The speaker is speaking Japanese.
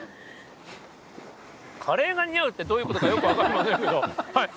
カレーが似合うってどういうことかよくわかりませんけれども。